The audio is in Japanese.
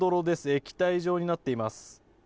液体状になっています。